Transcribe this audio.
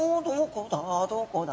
どこだ？